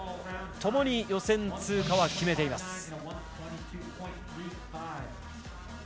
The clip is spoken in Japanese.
ともに予選通過は決めています。